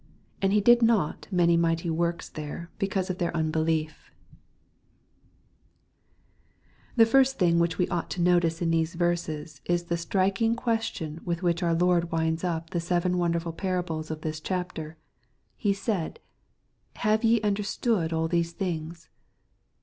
58 And he did not many mighty works there because of their unbelidb The first thing which we ought to notice in these verses, is the striking question with which our Lord winds up the seven wonderful parables of this chapter. He said, " Have ye understood all these things